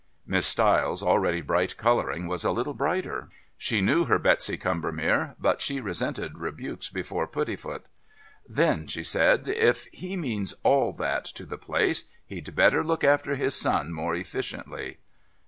Miss Stiles' already bright colouring was a little brighter. She knew her Betsy Combermere, but she resented rebukes before Puddifoot. "Then," she said, "if he means all that to the place, he'd better look after his son more efficiently."